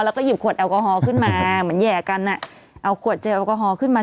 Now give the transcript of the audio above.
แล้วก็หยิบขวดแอลกอฮอลขึ้นมาเหมือนแห่กันอ่ะเอาขวดเจลแอลกอฮอลขึ้นมา